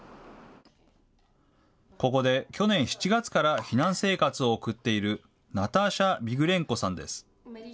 ここで去年７月から避難生活を送っているナターシャ・ビグレンコさんです。